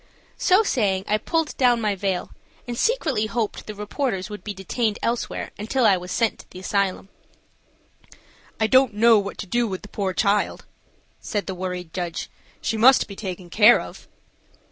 So saying, I pulled down my veil and secretly hoped the reporters would be detained elsewhere until I was sent to the asylum. "I don't know what to do with the poor child," said the worried judge. "She must be taken care of."